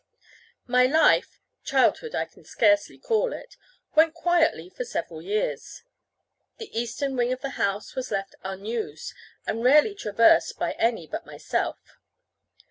My life childhood I can scarcely call it went quietly for several years. The eastern wing of the house was left unused, and rarely traversed by any but myself.